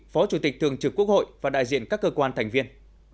phó chủ tịch thường trực quốc hội và đại diện các cơ quan thành viên